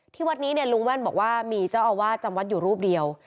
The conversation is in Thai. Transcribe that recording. วัดนี้เนี่ยลุงแว่นบอกว่ามีเจ้าอาวาสจำวัดอยู่รูปเดียว